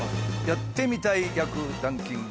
やってみたい役ランキング